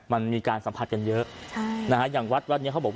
มันมีการสัมผัสกันเยอะใช่นะฮะอย่างวัดวัดเนี้ยเขาบอกว่า